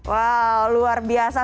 wow luar biasa